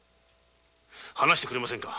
話してくれませんか！